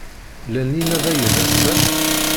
Llan yinabayen ass-a?